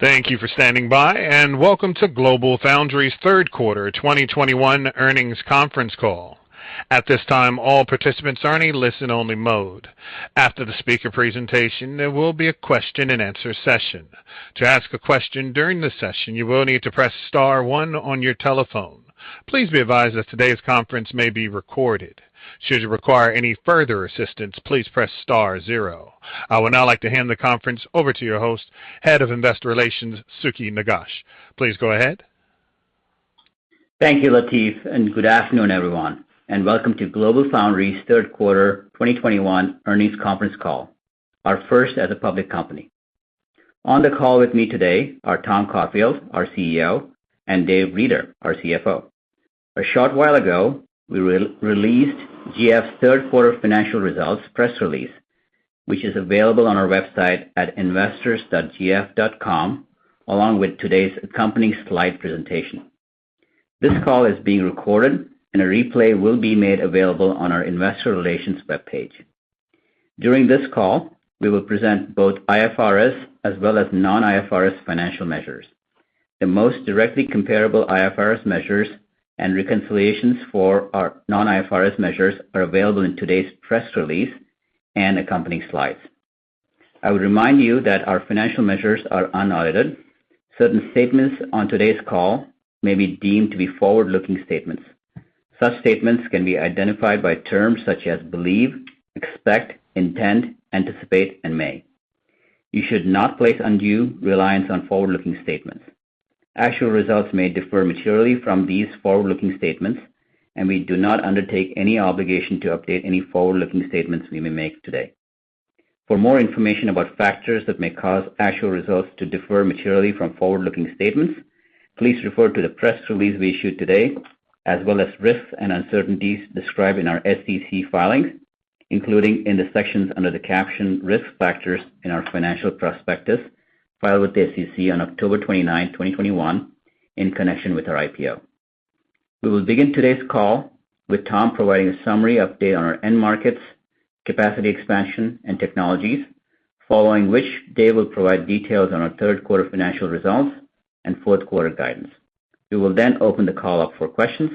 Thank you for standing by, and welcome to GlobalFoundries' Third Quarter 2021 Earnings Conference Call. At this time, all participants are in a listen-only mode. After the speaker presentation, there will be a question-and-answer session. To ask a question during the session, you will need to press star one on your telephone. Please be advised that today's conference may be recorded. Should you require any further assistance, please press star zero. I would now like to hand the conference over to your host, Head of Investor Relations, Sukhi Nagesh. Please go ahead. Thank you, Latif, and good afternoon, everyone, and welcome to GlobalFoundries' Third Quarter 2021 Earnings Conference Call, our first as a public company. On the call with me today are Tom Caulfield, our CEO, and Dave Reeder, our CFO. A short while ago, we released GF's third quarter financial results press release, which is available on our website at investors.gf.com, along with today's accompanying slide presentation. This call is being recorded, and a replay will be made available on our investor relations webpage. During this call, we will present both IFRS as well as non-IFRS financial measures. The most directly comparable IFRS measures and reconciliations for our non-IFRS measures are available in today's press release and accompanying slides. I would remind you that our financial measures are unaudited. Certain statements on today's call may be deemed to be forward-looking statements. Such statements can be identified by terms such as believe, expect, intend, anticipate, and may. You should not place undue reliance on forward-looking statements. Actual results may differ materially from these forward-looking statements, and we do not undertake any obligation to update any forward-looking statements we may make today. For more information about factors that may cause actual results to differ materially from forward-looking statements, please refer to the press release we issued today, as well as risks and uncertainties described in our SEC filings, including in the sections under the caption Risk Factors in our financial prospectus, filed with the SEC on October 29, 2021 in connection with our IPO. We will begin today's call with Tom providing a summary update on our end markets, capacity expansion, and technologies, following which Dave will provide details on our third quarter financial results and fourth quarter guidance. We will then open the call up for questions.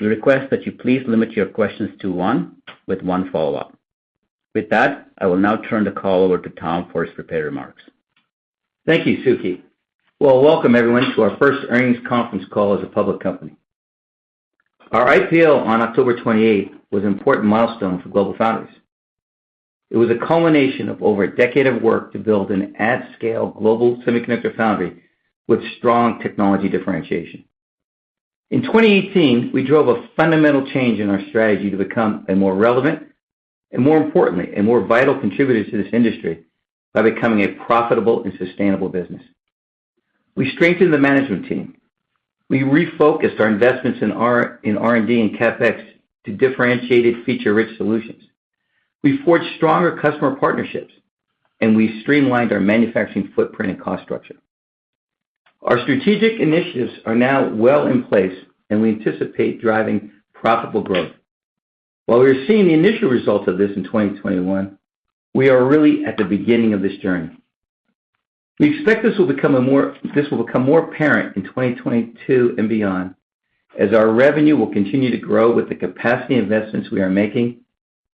We request that you please limit your questions to one with one follow-up. With that, I will now turn the call over to Tom for his prepared remarks. Thank you, Sukhi. Well, welcome everyone to our first earnings conference call as a public company. Our IPO on October 28 was an important milestone for GlobalFoundries. It was a culmination of over a decade of work to build an at-scale global semiconductor foundry with strong technology differentiation. In 2018, we drove a fundamental change in our strategy to become a more relevant and, more importantly, a more vital contributor to this industry by becoming a profitable and sustainable business. We strengthened the management team, we refocused our investments in R&D and CapEx to differentiated feature-rich solutions, we forged stronger customer partnerships, and we streamlined our manufacturing footprint and cost structure. Our strategic initiatives are now well in place, and we anticipate driving profitable growth. While we are seeing the initial results of this in 2021, we are really at the beginning of this journey. We expect this will become more apparent in 2022 and beyond as our revenue will continue to grow with the capacity investments we are making.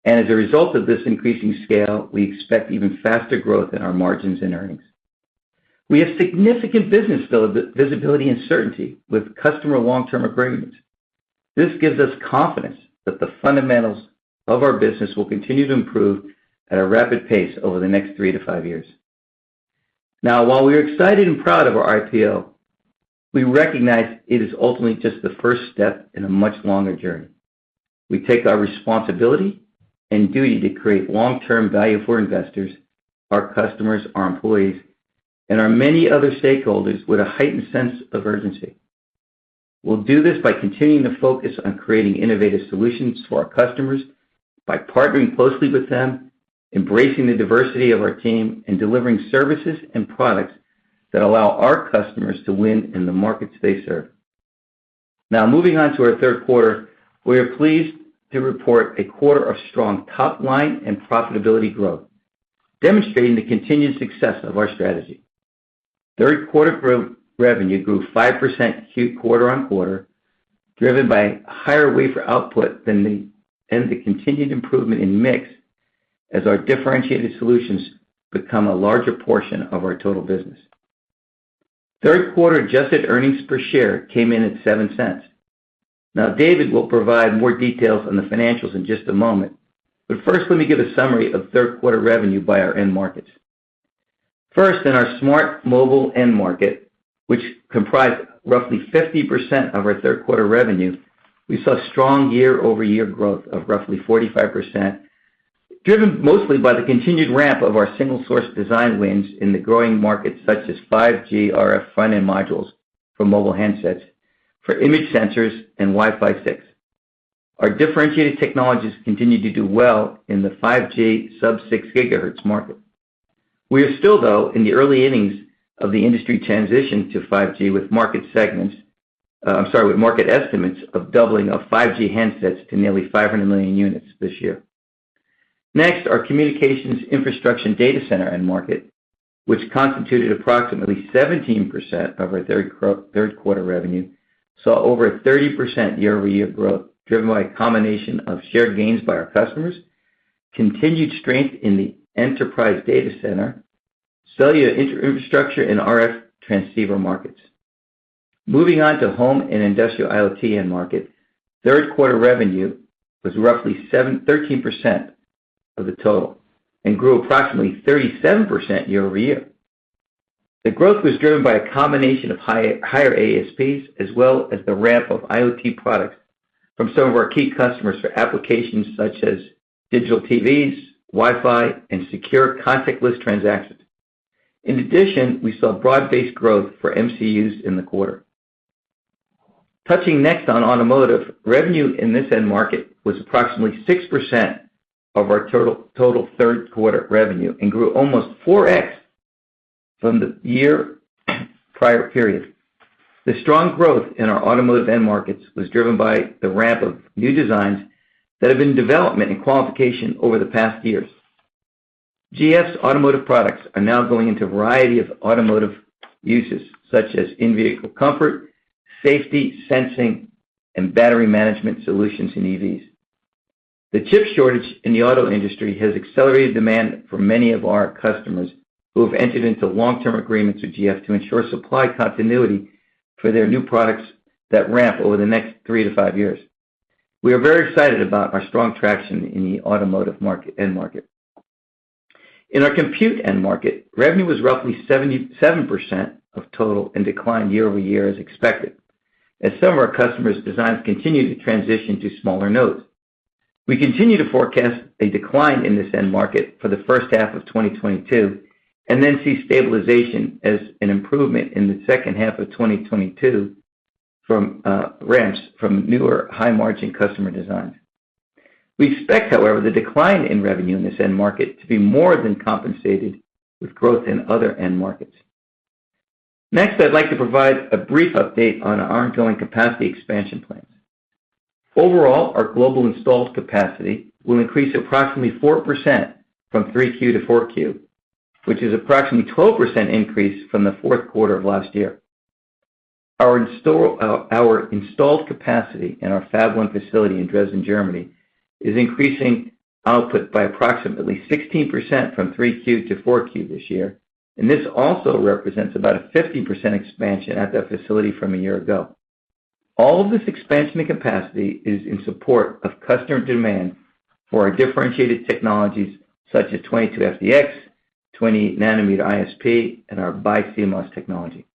As a result of this increasing scale, we expect even faster growth in our margins and earnings. We have significant business visibility and certainty with customer long-term agreements. This gives us confidence that the fundamentals of our business will continue to improve at a rapid pace over the next 3 to 5 years. Now, while we are excited and proud of our IPO, we recognize it is ultimately just the first step in a much longer journey. We take our responsibility and duty to create long-term value for investors, our customers, our employees, and our many other stakeholders with a heightened sense of urgency. We'll do this by continuing to focus on creating innovative solutions for our customers by partnering closely with them, embracing the diversity of our team, and delivering services and products that allow our customers to win in the markets they serve. Now, moving on to our third quarter, we are pleased to report a quarter of strong top line and profitability growth, demonstrating the continued success of our strategy. Third quarter, revenue grew 5% quarter-on-quarter, driven by higher wafer output and the continued improvement in mix as our differentiated solutions become a larger portion of our total business. Third quarter adjusted earnings per share came in at $0.07. Now, David will provide more details on the financials in just a moment, but first, let me give a summary of third quarter revenue by our end markets. First, in our smart mobile end market, which comprised roughly 50% of our third quarter revenue, we saw strong year-over-year growth of roughly 45%, driven mostly by the continued ramp of our single source design wins in the growing markets, such as 5G RF front-end modules for mobile handsets, for image sensors, and Wi-Fi 6. Our differentiated technologies continue to do well in the 5G sub-6 GHz market. We are still, though, in the early innings of the industry transition to 5G with market estimates of doubling of 5G handsets to nearly 500 million units this year. Next, our communications infrastructure data center end market, which constituted approximately 17% of our third quarter revenue, saw over 30% year-over-year growth, driven by a combination of shared gains by our customers, continued strength in the enterprise data center, cellular infrastructure and RF transceiver markets. Moving on to home and industrial IoT end market, third quarter revenue was 13% of the total and grew approximately 37% year-over-year. The growth was driven by a combination of higher ASPs as well as the ramp of IoT products from some of our key customers for applications such as digital TVs, Wi-Fi, and secure contactless transactions. In addition, we saw broad-based growth for MCUs in the quarter. Touching next on automotive, revenue in this end market was approximately 6% of our total third quarter revenue and grew almost 4x from the year prior period. The strong growth in our automotive end markets was driven by the ramp of new designs that have been in development and qualification over the past years. GF's automotive products are now going into a variety of automotive uses, such as in-vehicle comfort, safety, sensing, and battery management solutions in EVs. The chip shortage in the auto industry has accelerated demand for many of our customers who have entered into long-term agreements with GF to ensure supply continuity for their new products that ramp over the next three to five years. We are very excited about our strong traction in the automotive end market. In our compute end market, revenue was roughly 77% of total and declined year-over-year as expected, as some of our customers' designs continue to transition to smaller nodes. We continue to forecast a decline in this end market for the first half of 2022, and then see stabilization as an improvement in the second half of 2022 from ramps from newer high-margin customer designs. We expect, however, the decline in revenue in this end market to be more than compensated with growth in other end markets. Next, I'd like to provide a brief update on our ongoing capacity expansion plans. Overall, our global installed capacity will increase approximately 4% from 3Q to 4Q, which is approximately 12% increase from the fourth quarter of last year. Our installed capacity in our Fab One facility in Dresden, Germany, is increasing output by approximately 16% from Q3 to Q4 this year, and this also represents about a 50% expansion at that facility from a year ago. All of this expansion and capacity is in support of customer demand for our differentiated technologies such as 22FDX, 20nm ISP, and our BiCMOS technology.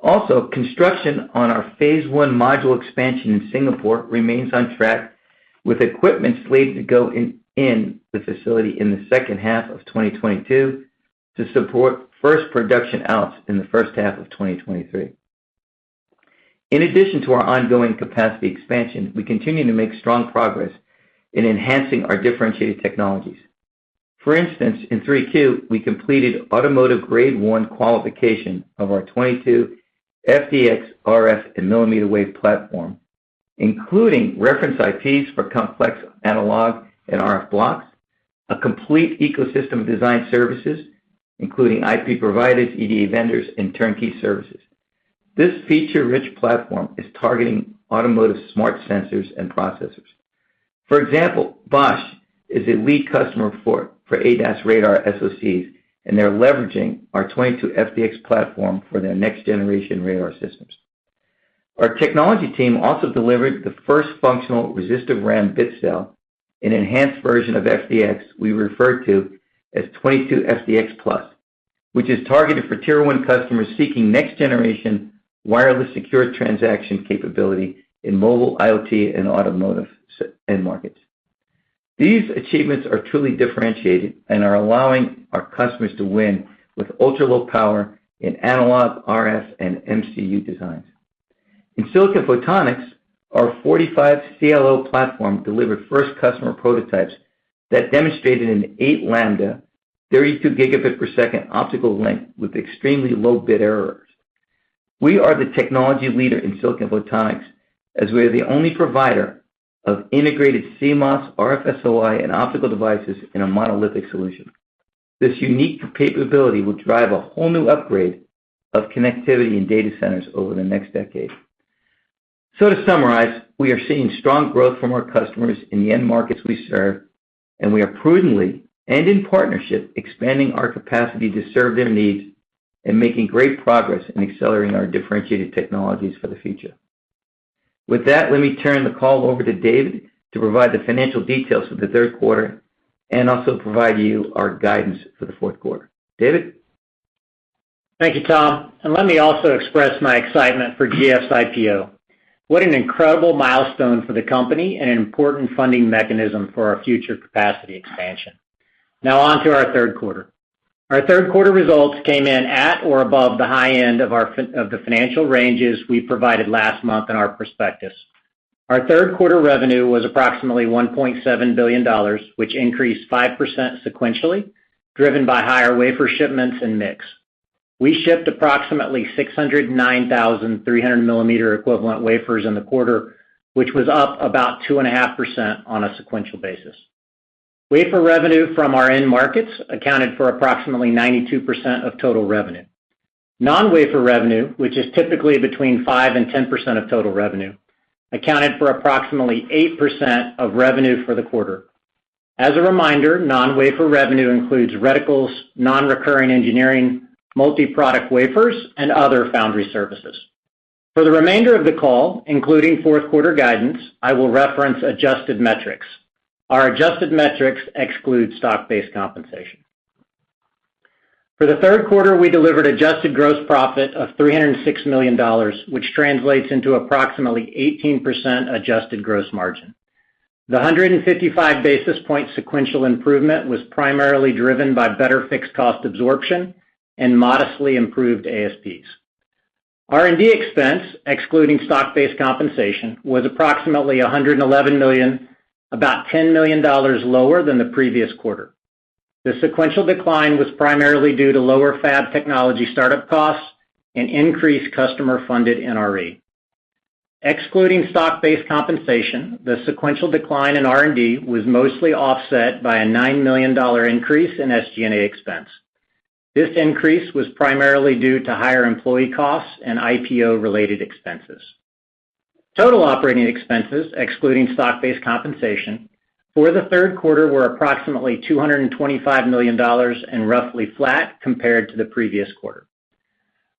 Also, construction on our phase one module expansion in Singapore remains on track with equipment slated to go in the facility in the second half of 2022 to support first production outs in the first half of 2023. In addition to our ongoing capacity expansion, we continue to make strong progress in enhancing our differentiated technologies. For instance, in Q3, we completed automotive grade one qualification of our 22FDX RF and millimeter wave platform, including reference IPs for complex analog and RF blocks, a complete ecosystem design services, including IP providers, EDA vendors, and turnkey services. This feature-rich platform is targeting automotive smart sensors and processors. For example, Bosch is a lead customer for ADAS radar SoCs, and they're leveraging our 22FDX platform for their next-generation radar systems. Our technology team also delivered the first functional resistive RAM bit cell, an enhanced version of FDX we refer to as 22FDX+, which is targeted for tier one customers seeking next-generation wireless secure transaction capability in mobile IoT and automotive end markets. These achievements are truly differentiated and are allowing our customers to win with ultra-low power in analog, RF, and MCU designs. In silicon photonics, our 45CLO platform delivered first customer prototypes that demonstrated an 8-lambda, 32 Gbps optical link with extremely low bit errors. We are the technology leader in silicon photonics, as we are the only provider of integrated CMOS, RF SOI, and optical devices in a monolithic solution. This unique capability will drive a whole new upgrade of connectivity in data centers over the next decade. To summarize, we are seeing strong growth from our customers in the end markets we serve, and we are prudently and in partnership, expanding our capacity to serve their needs and making great progress in accelerating our differentiated technologies for the future. With that, let me turn the call over to David to provide the financial details for the third quarter and also provide you our guidance for the fourth quarter. David? Thank you, Tom, and let me also express my excitement for GF's IPO. What an incredible milestone for the company and an important funding mechanism for our future capacity expansion. Now on to our third quarter. Our third quarter results came in at or above the high end of the financial ranges we provided last month in our prospectus. Our third quarter revenue was approximately $1.7 billion, which increased 5% sequentially, driven by higher wafer shipments and mix. We shipped approximately 609,300-millimeter equivalent wafers in the quarter, which was up about 2.5% on a sequential basis. Wafer revenue from our end markets accounted for approximately 92% of total revenue. Non-wafer revenue, which is typically between 5%-10% of total revenue, accounted for approximately 8% of revenue for the quarter. As a reminder, non-wafer revenue includes reticles, non-recurring engineering, multi-product wafers, and other foundry services. For the remainder of the call, including fourth quarter guidance, I will reference adjusted metrics. Our adjusted metrics exclude stock-based compensation. For the third quarter, we delivered adjusted gross profit of $306 million, which translates into approximately 18% adjusted gross margin. The 155 basis point sequential improvement was primarily driven by better fixed cost absorption and modestly improved ASPs. R&D expense, excluding stock-based compensation, was approximately $111 million, about $10 million lower than the previous quarter. The sequential decline was primarily due to lower fab technology startup costs and increased customer-funded NRE. Excluding stock-based compensation, the sequential decline in R&D was mostly offset by a $9 million increase in SG&A expense. This increase was primarily due to higher employee costs and IPO-related expenses. Total operating expenses excluding stock-based compensation for the third quarter were approximately $225 million and roughly flat compared to the previous quarter.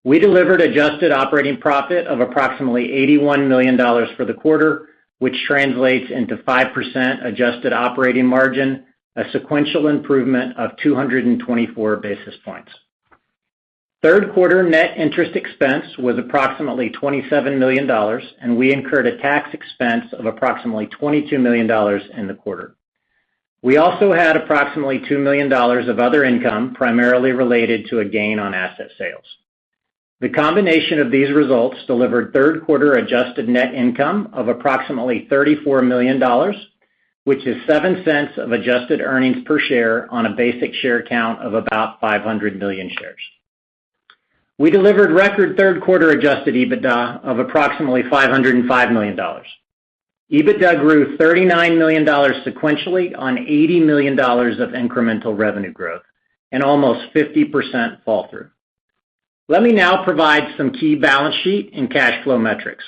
We delivered adjusted operating profit of approximately $81 million for the quarter, which translates into 5% adjusted operating margin, a sequential improvement of 224 basis points. Third quarter net interest expense was approximately $27 million, and we incurred a tax expense of approximately $22 million in the quarter. We also had approximately $2 million of other income, primarily related to a gain on asset sales. The combination of these results delivered third quarter adjusted net income of approximately $34 million, which is $0.07 of adjusted earnings per share on a basic share count of about 500 million shares. We delivered record third quarter adjusted EBITDA of approximately $505 million. EBITDA grew $39 million sequentially on $80 million of incremental revenue growth and almost 50% fall through. Let me now provide some key balance sheet and cash flow metrics.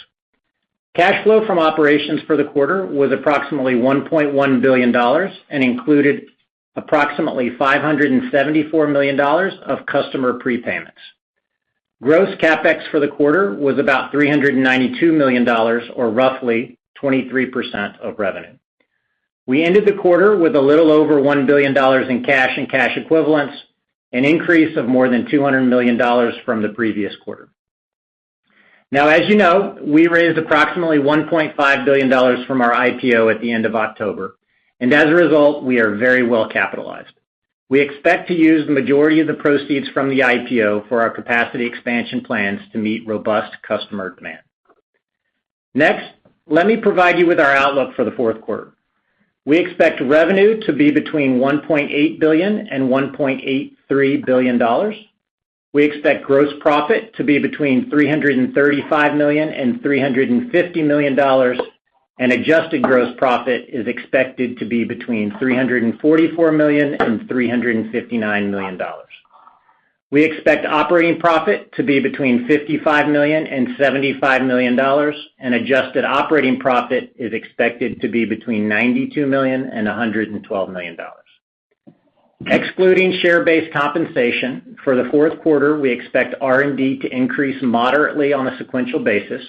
Cash flow from operations for the quarter was approximately $1.1 billion and included approximately $574 million of customer prepayments. Gross CapEx for the quarter was about $392 million, or roughly 23% of revenue. We ended the quarter with a little over $1 billion in cash and cash equivalents, an increase of more than $200 million from the previous quarter. Now, as you know, we raised approximately $1.5 billion from our IPO at the end of October, and as a result, we are very well capitalized. We expect to use the majority of the proceeds from the IPO for our capacity expansion plans to meet robust customer demand. Next, let me provide you with our outlook for the fourth quarter. We expect revenue to be between $1.8 billion and $1.83 billion. We expect gross profit to be between $335 million and $350 million, and adjusted gross profit is expected to be between $344 million and $359 million. We expect operating profit to be between $55 million and $75 million, and adjusted operating profit is expected to be between $92 million and $112 million. Excluding share-based compensation for the fourth quarter, we expect R&D to increase moderately on a sequential basis,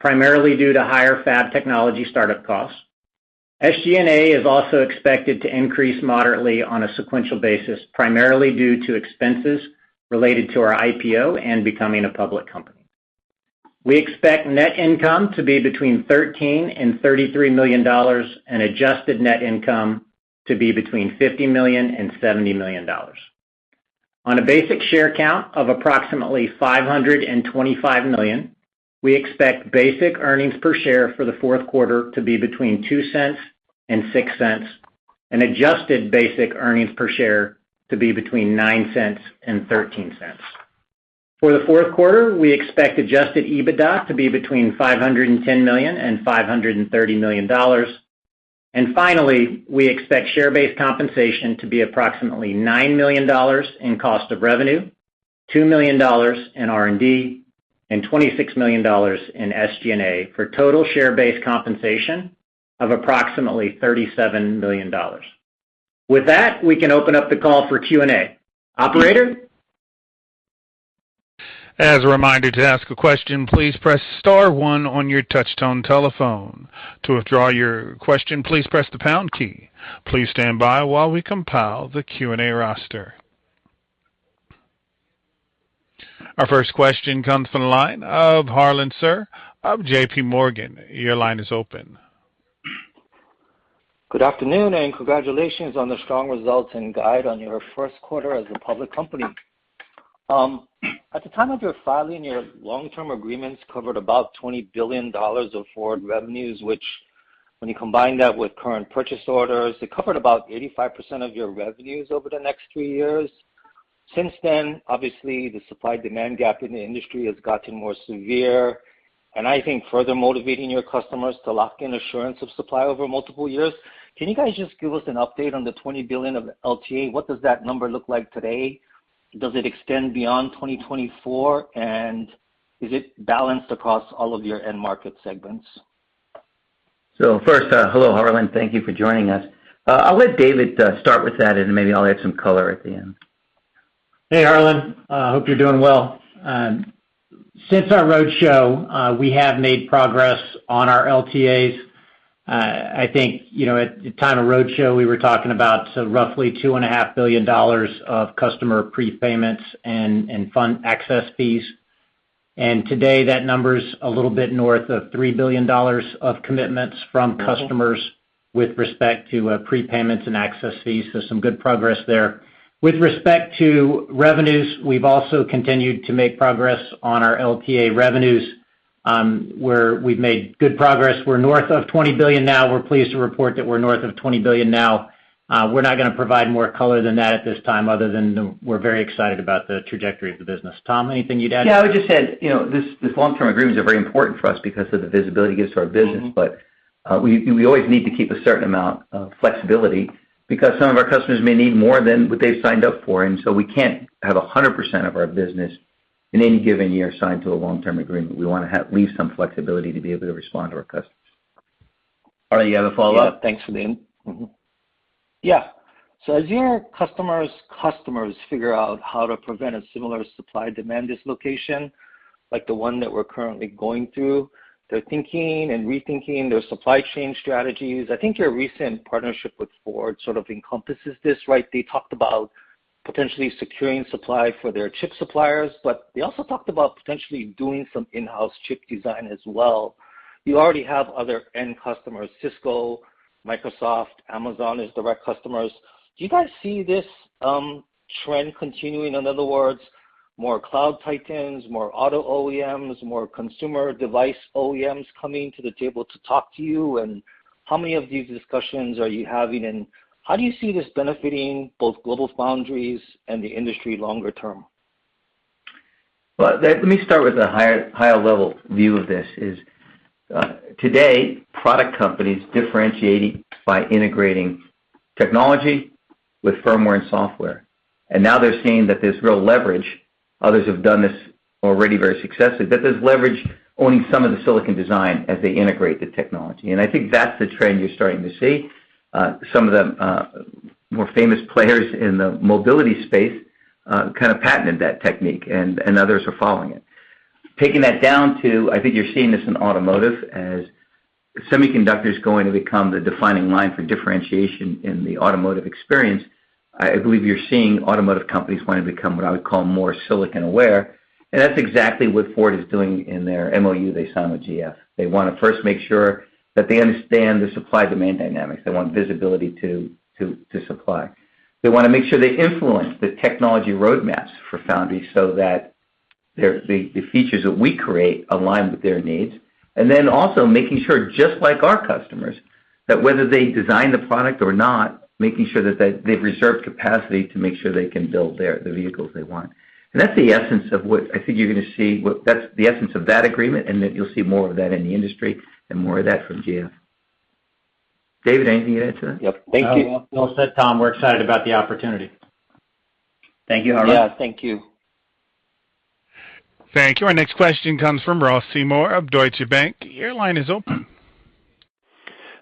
primarily due to higher fab technology startup costs. SG&A is also expected to increase moderately on a sequential basis, primarily due to expenses related to our IPO and becoming a public company. We expect net income to be between $13 million and $33 million, and adjusted net income to be between $50 million and $70 million. On a basic share count of approximately 525 million, we expect basic earnings per share for the fourth quarter to be between $0.02 and $0.06, and adjusted basic earnings per share to be between $0.09 and $0.13. For the fourth quarter, we expect adjusted EBITDA to be between $510 million and $530 million. Finally, we expect share-based compensation to be approximately $9 million in cost of revenue, $2 million in R&D, and $26 million in SG&A for total share-based compensation of approximately $37 million. With that, we can open up the call for Q&A. Operator? As a reminder to ask a question, please press star one on your touchtone telephone. To withdraw your question, please press the pound key. Please stand by while we compile the Q&A roster. Our first question comes from the line of Harlan Sur of J.P. Morgan. Your line is open. Good afternoon, and congratulations on the strong results and guide on your first quarter as a public company. At the time of your filing, your long-term agreements covered about $20 billion of forward revenues, which when you combine that with current purchase orders, it covered about 85% of your revenues over the next three years. Since then, obviously, the supply-demand gap in the industry has gotten more severe, and I think further motivating your customers to lock in assurance of supply over multiple years. Can you guys just give us an update on the $20 billion of LTA? What does that number look like today? Does it extend beyond 2024? And is it balanced across all of your end market segments? First, hello, Harlan. Thank you for joining us. I'll let David start with that, and maybe I'll add some color at the end. Hey, Harlan. Hope you're doing well. Since our roadshow, we have made progress on our LTAs. I think, you know, at the time of roadshow, we were talking about roughly $2.5 billion of customer prepayments and fund access fees. Today, that number's a little bit north of $3 billion of commitments from customers with respect to prepayments and access fees. Some good progress there. With respect to revenues, we've also continued to make progress on our LTA revenues, where we've made good progress. We're north of $20 billion now. We're pleased to report that we're north of $20 billion now. We're not gonna provide more color than that at this time, other than we're very excited about the trajectory of the business. Tom, anything you'd add? Yeah, I would just add, you know, these long-term agreements are very important for us because of the visibility it gives to our business. We always need to keep a certain amount of flexibility because some of our customers may need more than what they've signed up for, and so we can't have 100% of our business in any given year signed to a long-term agreement. We wanna have at least some flexibility to be able to respond to our customers. Harlan, you have a follow-up? Yeah. Thanks for the input. Yeah. As your customers' customers figure out how to prevent a similar supply-demand dislocation like the one that we're currently going through, they're thinking and rethinking their supply chain strategies. I think your recent partnership with Ford sort of encompasses this, right? They talked about potentially securing supply for their chip suppliers, but they also talked about potentially doing some in-house chip design as well. You already have other end customers, Cisco, Microsoft, Amazon, as direct customers. Do you guys see this, trend continuing? In other words, more cloud titans, more auto OEMs, more consumer device OEMs coming to the table to talk to you, and how many of these discussions are you having, and how do you see this benefiting both GlobalFoundries and the industry longer term? Well, let me start with a higher level view of this. Today, product companies differentiating by integrating technology with firmware and software. Now they're seeing that there's real leverage. Others have done this already very successfully, but there's leverage owning some of the silicon design as they integrate the technology. I think that's the trend you're starting to see. Some of the more famous players in the mobility space kind of patented that technique and others are following it. Taking that down to, I think you're seeing this in automotive as semiconductors going to become the defining line for differentiation in the automotive experience. I believe you're seeing automotive companies wanting to become what I would call more silicon aware, and that's exactly what Ford is doing in their MOU they signed with GF. They wanna first make sure that they understand the supply-demand dynamics. They want visibility to supply. They wanna make sure they influence the technology roadmaps for Foundry so that the features that we create align with their needs. Making sure, just like our customers, that whether they design the product or not, they've reserved capacity to make sure they can build the vehicles they want. That's the essence of what I think you're gonna see. That's the essence of that agreement, and you'll see more of that in the industry and more of that from GF. David, anything to add to that? Yep. Thank you. Well said, Tom. We're excited about the opportunity. Thank you, Harlan. Yeah. Thank you. Thank you. Our next question comes from Ross Seymore of Deutsche Bank. Your line is open.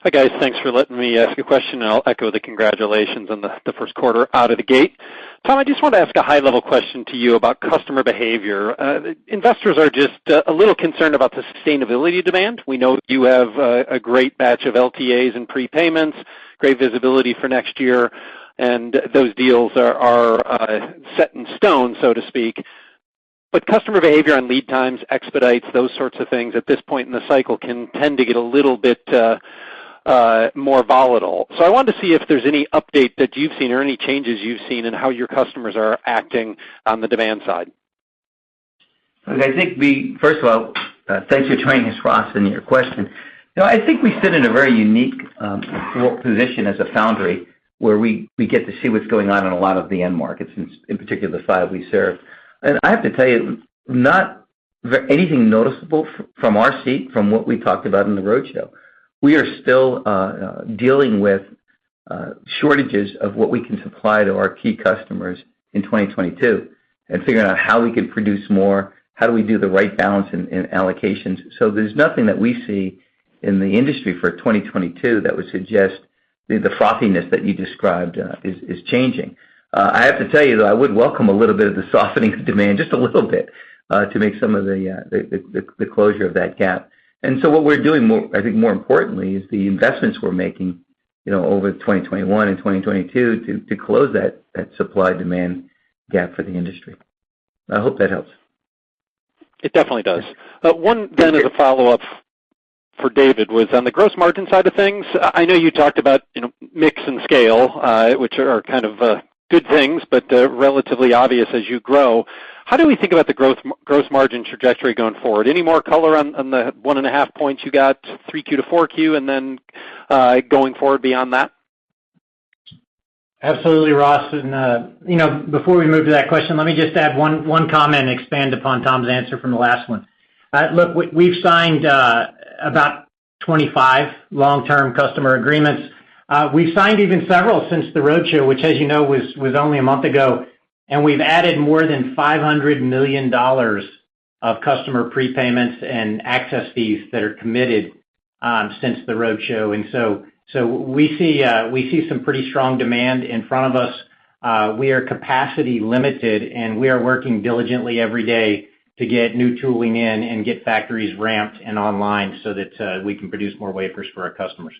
Hi, guys. Thanks for letting me ask a question, and I'll echo the congratulations on the first quarter out of the gate. Tom, I just want to ask a high-level question to you about customer behavior. Investors are just a little concerned about the sustainability demand. We know you have a great batch of LTAs and prepayments, great visibility for next year, and those deals are set in stone, so to speak. But customer behavior and lead times, expedites, those sorts of things at this point in the cycle can tend to get a little bit more volatile. I wanted to see if there's any update that you've seen or any changes you've seen in how your customers are acting on the demand side. Look, I think. First of all, thanks for joining us, Ross, and your question. You know, I think we sit in a very unique position as a foundry where we get to see what's going on in a lot of the end markets, in particular, the side we serve. I have to tell you, not anything noticeable from our seat from what we talked about in the roadshow. We are still dealing with shortages of what we can supply to our key customers in 2022 and figuring out how we can produce more, how do we do the right balance in allocations. There's nothing that we see in the industry for 2022 that would suggest the frothiness that you described is changing. I have to tell you that I would welcome a little bit of the softening of demand, just a little bit, to make some of the closure of that gap. What we're doing more, I think more importantly, is the investments we're making, you know, over 2021 and 2022 to close that supply-demand gap for the industry. I hope that helps. It definitely does. One then as a follow-up for David was on the gross margin side of things. I know you talked about, you know, mix and scale, which are kind of good things, but relatively obvious as you grow. How do we think about the gross margin trajectory going forward? Any more color on the 1.5 points you got, 3Q to 4Q, and then going forward beyond that? Absolutely, Ross. You know, before we move to that question, let me just add one comment and expand upon Tom's answer from the last one. Look, we've signed about 25 long-term customer agreements. We've signed even several since the roadshow, which as you know, was only a month ago, and we've added more than $500 million of customer prepayments and access fees that are committed since the roadshow. We see some pretty strong demand in front of us. We are capacity limited, and we are working diligently every day to get new tooling in and get factories ramped and online so that we can produce more wafers for our customers.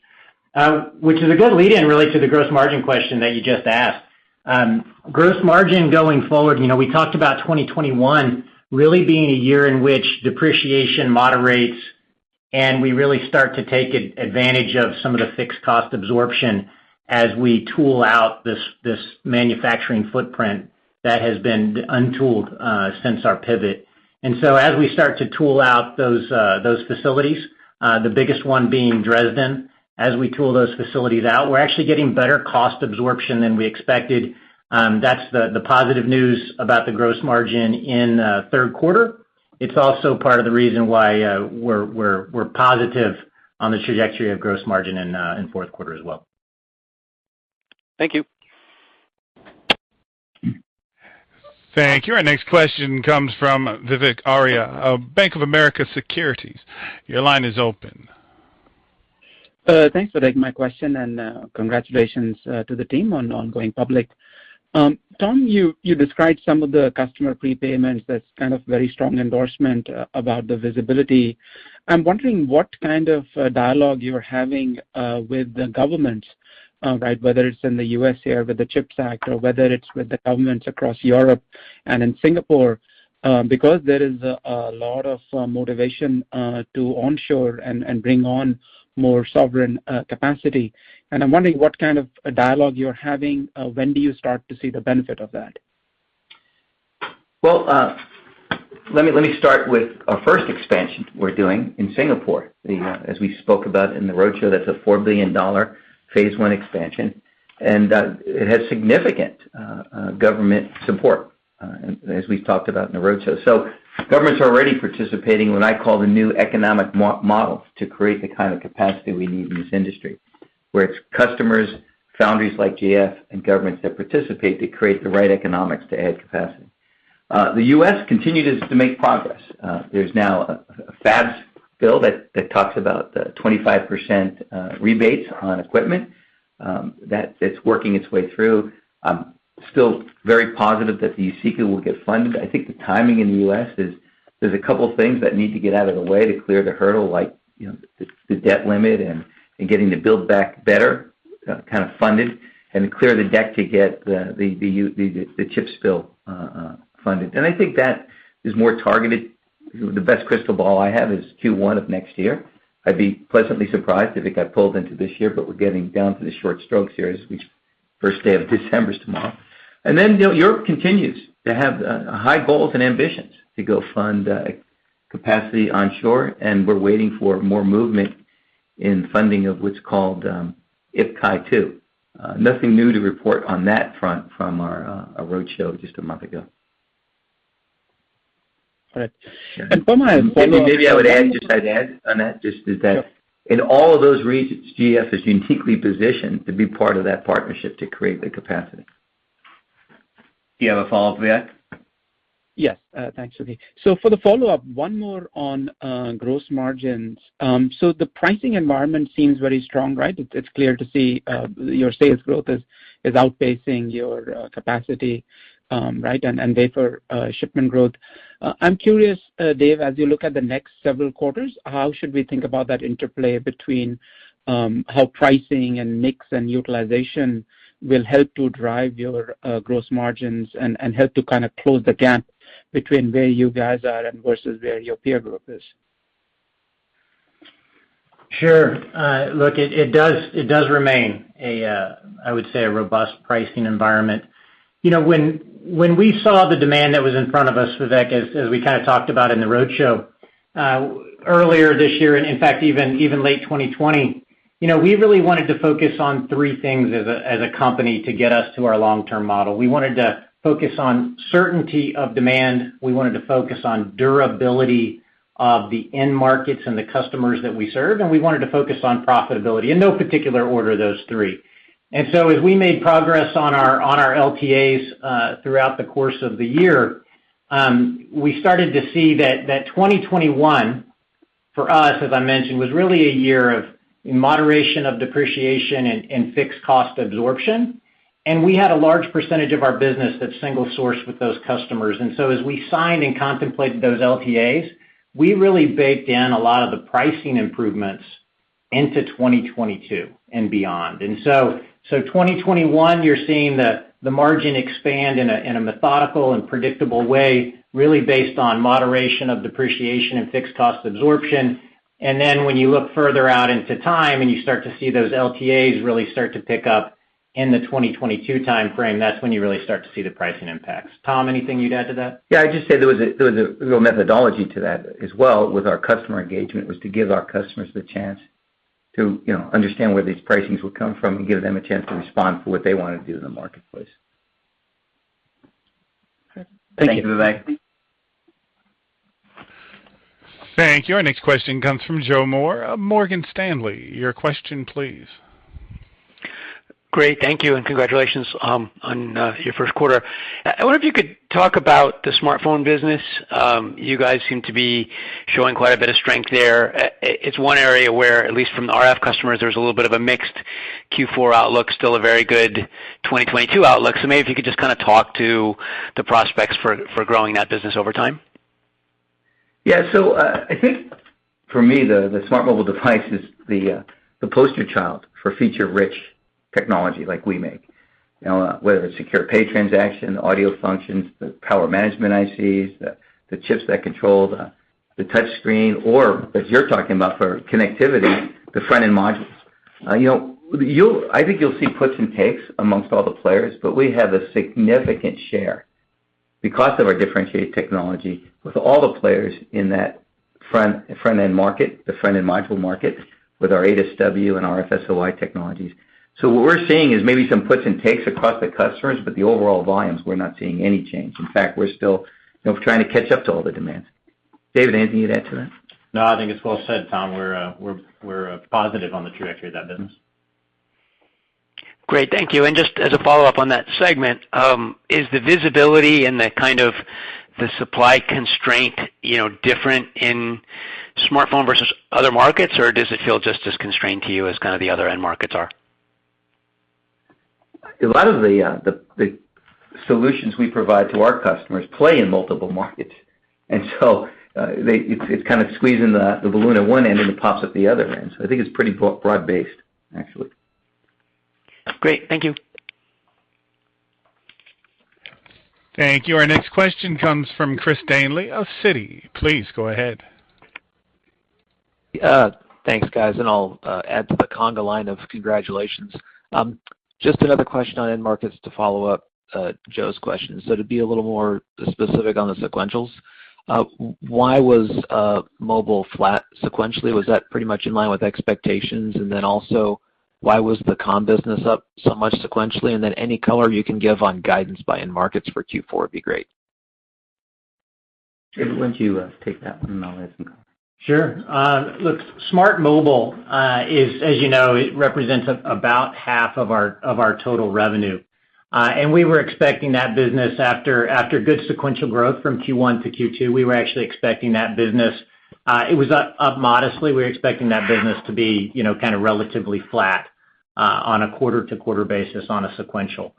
Which is a good lead in really to the gross margin question that you just asked. Gross margin going forward, you know, we talked about 2021 really being a year in which depreciation moderates, and we really start to take advantage of some of the fixed cost absorption as we tool out this manufacturing footprint that has been untooled since our pivot. As we start to tool out those facilities, the biggest one being Dresden, as we tool those facilities out, we're actually getting better cost absorption than we expected. That's the positive news about the gross margin in third quarter. It's also part of the reason why we're positive on the trajectory of gross margin in fourth quarter as well. Thank you. Thank you. Our next question comes from Vivek Arya of Bank of America Securities. Your line is open. Thanks for taking my question, and congratulations to the team on going public. Tom, you described some of the customer prepayments. That's kind of very strong endorsement about the visibility. I'm wondering what kind of dialogue you're having with the government, right? Whether it's in the U.S. here with the CHIPS Act or whether it's with the governments across Europe and in Singapore, because there is a lot of motivation to onshore and bring on more sovereign capacity. I'm wondering what kind of a dialogue you're having. When do you start to see the benefit of that? Let me start with our first expansion we're doing in Singapore. As we spoke about in the roadshow, that's a $4 billion phase I expansion, and it has significant government support, as we've talked about in the roadshow. Governments are already participating in what I call the new economic model to create the kind of capacity we need in this industry, where it's customers, foundries like GF, and governments that participate to create the right economics to add capacity. The U.S. continues to make progress. There's now a FABS Act that talks about the 25% rebates on equipment, it's working its way through. I'm still very positive that the USICA will get funded. I think the timing in the U.S. is there's a couple things that need to get out of the way to clear the hurdle, like, you know, the debt limit and getting the build back better kind of funded and clear the deck to get the CHIPS bill funded. I think that is more targeted. You know, the best crystal ball I have is Q1 of next year. I'd be pleasantly surprised if it got pulled into this year, but we're getting down to the short strokes here, first day of December is tomorrow. Then, you know, Europe continues to have high goals and ambitions to go fund capacity onshore, and we're waiting for more movement in funding of what's called IPCEI 2. Nothing new to report on that front from our roadshow just a month ago. All right. Tom, I have a follow-up- Maybe I would add, just I'd add on that in all of those regions, GF is uniquely positioned to be part of that partnership to create the capacity. Do you have a follow-up, Vivek? Yes. Thanks. Okay. For the follow-up, one more on gross margins. The pricing environment seems very strong, right? It's clear to see your sales growth is outpacing your capacity and wafer shipment growth, right? I'm curious, Dave, as you look at the next several quarters, how should we think about that interplay between how pricing and mix and utilization will help to drive your gross margins and help to kind of close the gap between where you guys are and versus where your peer group is? Sure. Look, it does remain, I would say, a robust pricing environment. When we saw the demand that was in front of us, Vivek, as we kind of talked about in the roadshow earlier this year, and in fact, even late 2020, we really wanted to focus on three things as a company to get us to our long-term model. We wanted to focus on certainty of demand, we wanted to focus on durability of the end markets and the customers that we serve, and we wanted to focus on profitability. In no particular order, those three. As we made progress on our LTAs throughout the course of the year, we started to see that 2021, for us, as I mentioned, was really a year of moderation of depreciation and fixed cost absorption. We had a large percentage of our business that's single sourced with those customers. As we signed and contemplated those LTAs, we really baked in a lot of the pricing improvements into 2022 and beyond. 2021, you're seeing the margin expand in a methodical and predictable way, really based on moderation of depreciation and fixed cost absorption. When you look further out into time, and you start to see those LTAs really start to pick up in the 2022 timeframe, that's when you really start to see the pricing impacts. Tom, anything you'd add to that? Yeah, I'd just say there was a real methodology to that as well with our customer engagement, was to give our customers the chance to, you know, understand where these pricings would come from and give them a chance to respond for what they wanna do in the marketplace. Thank you, Vivek. Thank you. Our next question comes from Joe Moore of Morgan Stanley. Your question, please. Great. Thank you, and congratulations on your first quarter. I wonder if you could talk about the smartphone business. You guys seem to be showing quite a bit of strength there. It's one area where, at least from the RF customers, there's a little bit of a mixed Q4 outlook, still a very good 2022 outlook. Maybe if you could just kinda talk to the prospects for growing that business over time. Yeah. I think for me, the smart mobile device is the poster child for feature-rich technology like we make. You know, whether it's secure pay transaction, audio functions, the power management ICs, the chips that control the touch screen, or as you're talking about for connectivity, the front-end modules. You know, I think you'll see puts and takes amongst all the players, but we have a significant share because of our differentiated technology with all the players in that front-end market, the front-end module market with our 8SW and RFSOI technologies. What we're seeing is maybe some puts and takes across the customers, but the overall volumes, we're not seeing any change. In fact, we're still trying to catch up to all the demands. David, anything to add to that? No, I think it's well said, Tom. We're positive on the trajectory of that business. Great. Thank you. Just as a follow-up on that segment, is the visibility and the kind of the supply constraint, you know, different in smartphone versus other markets? Or does it feel just as constrained to you as kind of the other end markets are? A lot of the solutions we provide to our customers play in multiple markets. It's kinda squeezing the balloon at one end, and it pops at the other end. I think it's pretty broad-based, actually. Great. Thank you. Thank you. Our next question comes from Chris Danely of Citi. Please go ahead. Yeah. Thanks, guys. I'll add to the conga line of congratulations. Just another question on end markets to follow up Joe's question. To be a little more specific on the sequentials, why was mobile flat sequentially? Was that pretty much in line with expectations? Then also, why was the comm business up so much sequentially? Then any color you can give on guidance by end markets for Q4 would be great. David, why don't you take that one, and I'll add some color. Sure. Look, Smart Mobile, as you know, represents about half of our total revenue. We were expecting that business after good sequential growth from Q1 to Q2. It was up modestly. We were expecting that business to be, you know, kind of relatively flat on a quarter-to-quarter basis sequentially.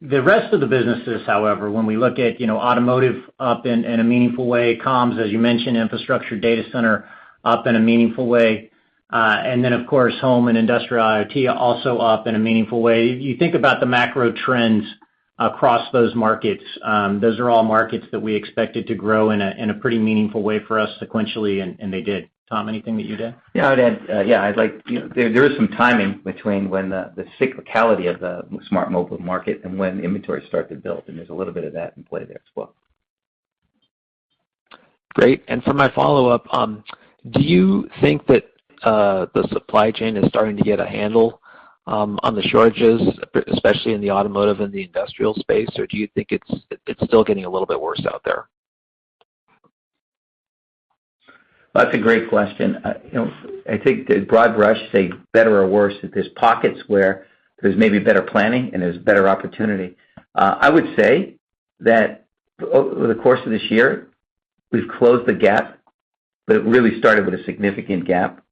The rest of the businesses, however, when we look at, you know, automotive up in a meaningful way, comms, as you mentioned, infrastructure data center up in a meaningful way, and then, of course, home and industrial IoT also up in a meaningful way. You think about the macro trends across those markets, those are all markets that we expected to grow in a pretty meaningful way for us sequentially, and they did. Tom, anything that you'd add? Yeah, I'd add. Yeah, I'd like. You know, there is some timing between when the cyclicality of the smart mobile market and when inventory start to build, and there's a little bit of that in play there as well. Great. For my follow-up, do you think that the supply chain is starting to get a handle on the shortages, especially in the automotive and the industrial space, or do you think it's still getting a little bit worse out there? That's a great question. You know, I think the broad brush say better or worse, that there's pockets where there's maybe better planning and there's better opportunity. I would say that over the course of this year, we've closed the gap, but it really started with a significant gap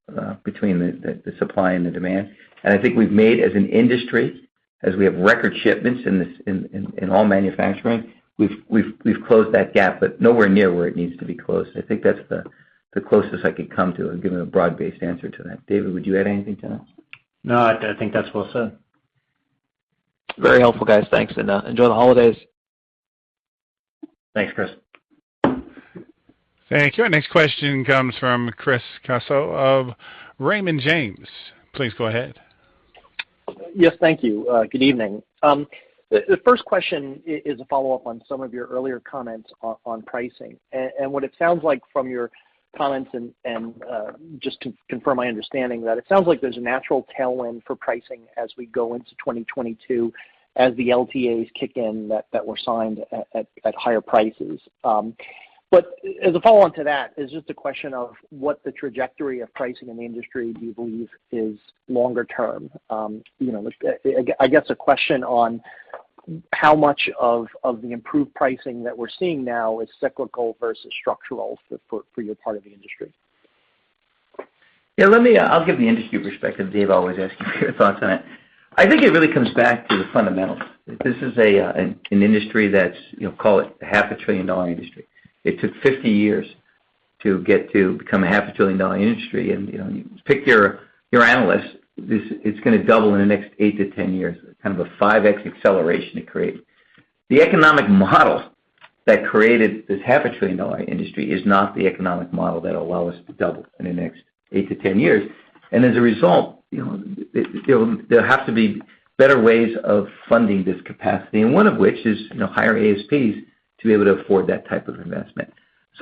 between the supply and the demand. I think we've made as an industry, as we have record shipments in all manufacturing, we've closed that gap, but nowhere near where it needs to be closed. I think that's the closest I could come to giving a broad-based answer to that. David, would you add anything to that? No, I think that's well said. Very helpful, guys. Thanks, and, enjoy the holidays. Thanks, Chris. Thank you. Our next question comes from Christopher Caso of Raymond James. Please go ahead. Yes, thank you. Good evening. The first question is a follow-up on some of your earlier comments on pricing. What it sounds like from your comments and just to confirm my understanding that it sounds like there's a natural tailwind for pricing as we go into 2022 as the LTAs kick in that were signed at higher prices. As a follow-on to that is just a question of what the trajectory of pricing in the industry do you believe is longer term. You know, I guess a question on how much of the improved pricing that we're seeing now is cyclical versus structural for your part of the industry. Yeah, let me. I'll give the industry perspective. Dave, I'll always ask you for your thoughts on it. I think it really comes back to the fundamentals. This is an industry that's, you know, call it half a trillion-dollar industry. It took 50 years to get to become a half a trillion-dollar industry. You know, pick your analyst, this, it's gonna double in the next 8-10 years, kind of a 5X acceleration to create. The economic model that created this half a trillion-dollar industry is not the economic model that will allow us to double in the next 8-10 years. As a result, you know, there have to be better ways of funding this capacity, and one of which is, you know, higher ASPs to be able to afford that type of investment.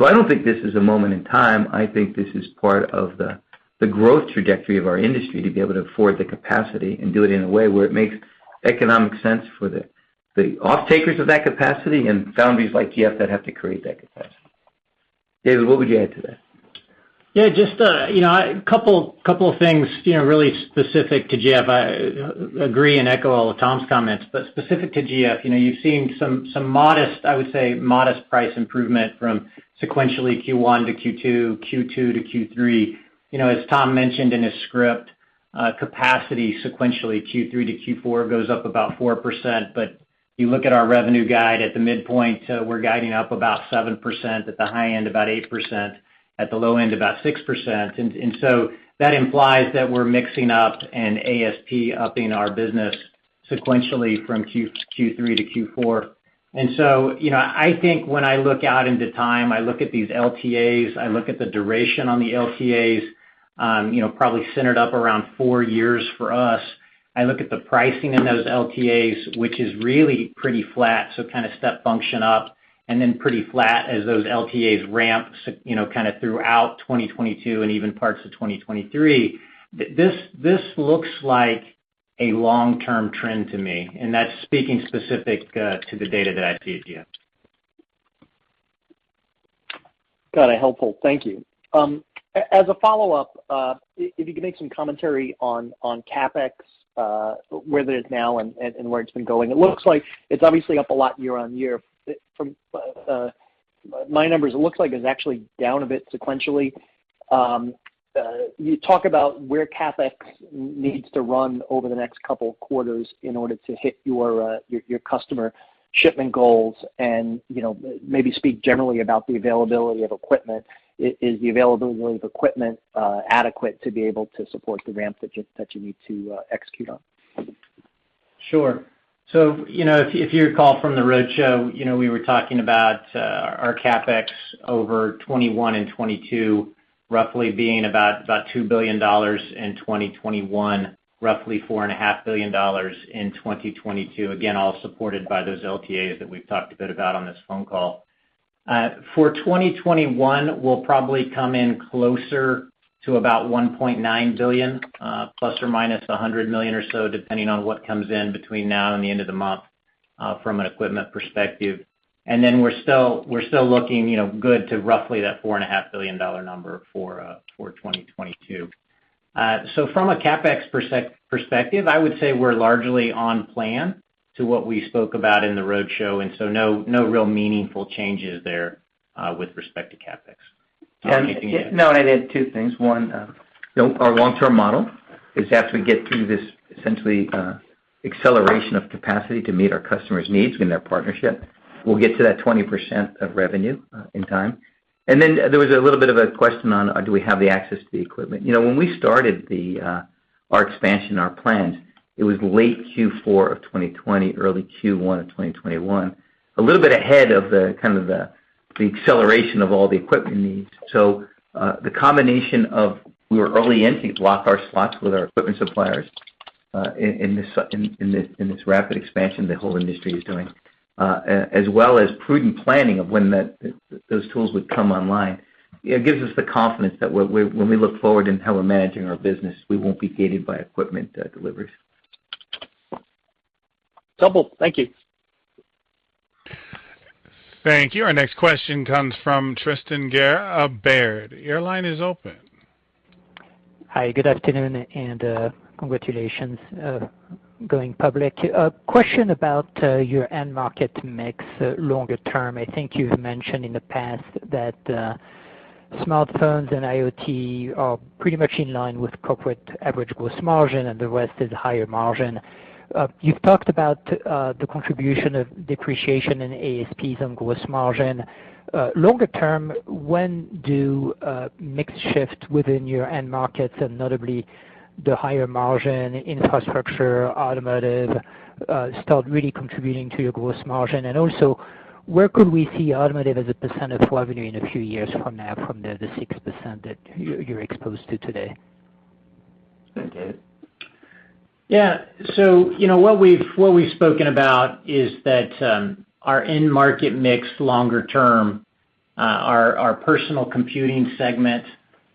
I don't think this is a moment in time, I think this is part of the growth trajectory of our industry to be able to afford the capacity and do it in a way where it makes economic sense for the offtakers of that capacity and foundries like GF that have to create that capacity. David, what would you add to that? Yeah, just, you know, a couple of things, you know, really specific to GF. I agree and echo all of Tom's comments, but specific to GF, you know, you've seen some modest, I would say modest price improvement from sequentially Q1 to Q2 to Q3. You know, as Tom mentioned in his script, capacity sequentially Q3 to Q4 goes up about 4%. But you look at our revenue guide at the midpoint, we're guiding up about 7%, at the high end, about 8%, at the low end, about 6%. So that implies that we're mixing up and ASP upping our business sequentially from Q3 to Q4. You know, I think when I look out into time, I look at these LTAs, I look at the duration on the LTAs, you know, probably centered up around four years for us. I look at the pricing in those LTAs, which is really pretty flat, so kind of step function up, and then pretty flat as those LTAs ramp, you know, kind of throughout 2022 and even parts of 2023. This looks like a long-term trend to me, and that's speaking specifically to the data that I see at GF. Got it. Helpful. Thank you. As a follow-up, if you could make some commentary on CapEx, where that is now and where it's been going. It looks like it's obviously up a lot year-on-year. From my numbers, it looks like it's actually down a bit sequentially. You talk about where CapEx needs to run over the next couple of quarters in order to hit your customer shipment goals, and you know, maybe speak generally about the availability of equipment. Is the availability of equipment adequate to be able to support the ramp that you need to execute on? Sure. You know, if you recall from the roadshow, you know, we were talking about our CapEx over 2021 and 2022, roughly being about $2 billion in 2021, roughly $4.5 billion in 2022. Again, all supported by those LTAs that we've talked a bit about on this phone call. For 2021, we'll probably come in closer to about $1.9 billion, ±$100 million or so, depending on what comes in between now and the end of the month, from an equipment perspective. We're still looking, you know, good to roughly that $4.5 billion number for 2022. From a CapEx perspective, I would say we're largely on plan to what we spoke about in the roadshow, and no real meaningful changes there with respect to CapEx. And- Tom, anything you- No, I'd add two things. One, you know, our long-term model is as we get through this essentially, acceleration of capacity to meet our customers' needs in their partnership, we'll get to that 20% of revenue, in time. There was a little bit of a question on, do we have access to the equipment. You know, when we started our expansion, our plans, it was late Q4 of 2020, early Q1 of 2021, a little bit ahead of the acceleration of all the equipment needs. The combination of we were early in to block our slots with our equipment suppliers, in this rapid expansion the whole industry is doing, as well as prudent planning of when those tools would come online, it gives us the confidence that when we look forward in how we're managing our business, we won't be gated by equipment deliveries. Helpful. Thank you. Thank you. Our next question comes from Tristan Gerra of Baird. Your line is open. Hi, good afternoon, and congratulations going public. A question about your end market mix longer term. I think you've mentioned in the past that smartphones and IoT are pretty much in line with corporate average gross margin, and the rest is higher margin. You've talked about the contribution of depreciation in ASPs on gross margin. Longer term, when do mix shift within your end markets, and notably the higher margin infrastructure, automotive start really contributing to your gross margin? And also, where could we see automotive as a % of revenue in a few years from now, from the 6% that you're exposed to today? David? Yeah. You know, what we've spoken about is that our end market mix longer term our personal computing segment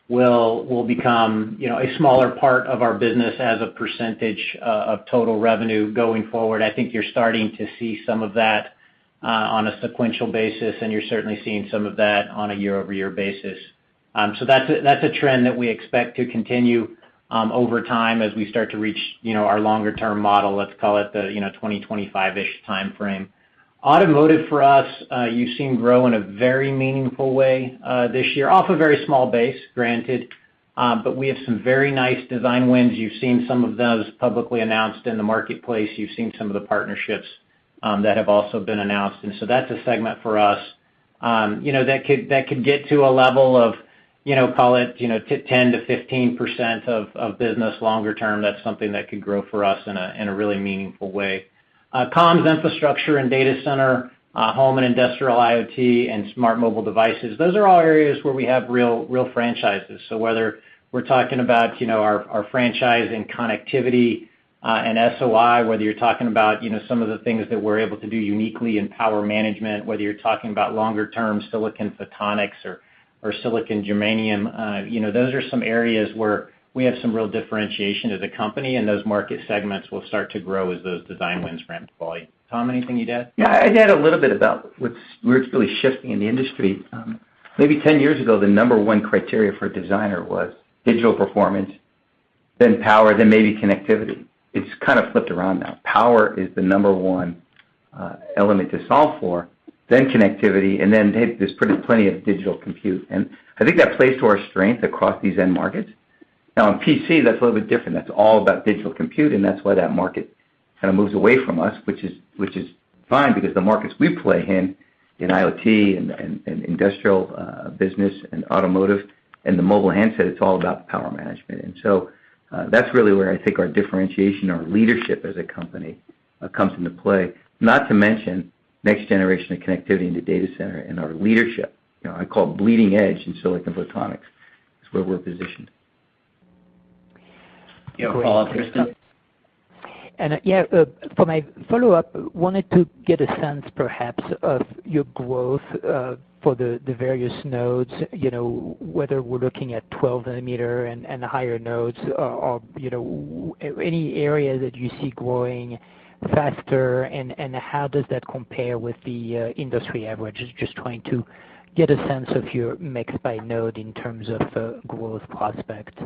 will become you know a smaller part of our business as a percentage of total revenue going forward. I think you're starting to see some of that on a sequential basis, and you're certainly seeing some of that on a year-over-year basis. That's a trend that we expect to continue over time as we start to reach you know our longer term model, let's call it the you know 2025-ish timeframe. Automotive for us, you've seen grow in a very meaningful way this year, off a very small base, granted. But we have some very nice design wins. You've seen some of those publicly announced in the marketplace. You've seen some of the partnerships that have also been announced. That's a segment for us, you know, that could get to a level of, you know, call it, you know, 10%-15% of business longer term. That's something that could grow for us in a really meaningful way. Comms infrastructure and data center, home and industrial IoT, and smart mobile devices, those are all areas where we have real franchises. Whether we're talking about, you know, our franchise in connectivity and SOI, whether you're talking about, you know, some of the things that we're able to do uniquely in power management, whether you're talking about longer-term silicon photonics or silicon-germanium, you know, those are some areas where we have some real differentiation as a company, and those market segments will start to grow as those design wins ramp to volume. Tom, anything you'd add? Yeah, I'd add a little bit about we're really shifting in the industry. Maybe 10 years ago, the number one criteria for a designer was digital performance, then power, then maybe connectivity. It's kind of flipped around now. Power is the number one element to solve for, then connectivity, and then there's pretty plenty of digital compute. I think that plays to our strength across these end markets. Now, in PC, that's a little bit different. That's all about digital compute, and that's why that market kind of moves away from us, which is fine because the markets we play in IoT and industrial business and automotive and the mobile handset, it's all about power management. That's really where I think our differentiation, our leadership as a company, comes into play. Not to mention, next generation of connectivity in the data center and our leadership, you know, I call bleeding edge in silicon photonics is where we're positioned. You have a follow-up, Tristan Gerra? For my follow-up, wanted to get a sense perhaps of your growth for the various nodes, you know, whether we're looking at 12 nanometer and higher nodes or, you know, any area that you see growing faster and how does that compare with the industry average? Just trying to get a sense of your mix by node in terms of growth prospect.